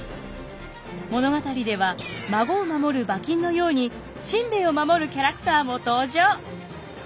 物語では孫を守る馬琴のように親兵衛を守るキャラクターも登場。